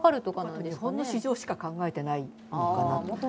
日本の市場しか考えていないのかな。